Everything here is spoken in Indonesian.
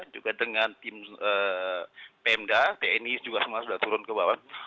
juga dengan tim pemda tni juga semua sudah turun ke bawah